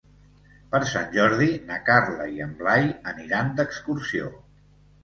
Per Sant Jordi na Carla i en Blai aniran d'excursió.